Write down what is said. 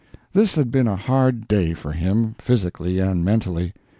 This had been a hard day for him, physically and mentally.